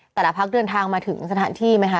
แต่ละพักเดินทางมาถึงสถานที่ไหมคะ